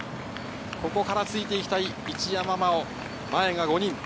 ここからついて行きたい一山麻緒、前が５人。